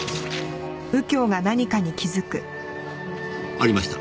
ありました。